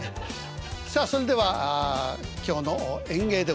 さあそれでは今日の演芸でございます。